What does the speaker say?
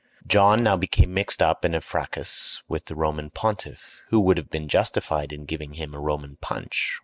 John now became mixed up in a fracas with the Roman pontiff, who would have been justified in giving him a Roman punch.